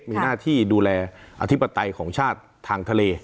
มีหน้าที่ดูแลอธิปไตยของชาติทางทะเล